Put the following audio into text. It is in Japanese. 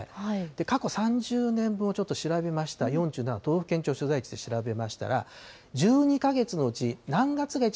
過去３０年分をちょっと調べました、４７都道府県庁所在地で調べましたら、１２か月のうち何月がいち